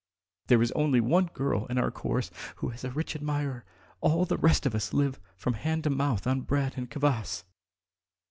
... There is only one girl in our chorus who has a rich admirer; all the rest of us live from hand to mouth on bread and kvass.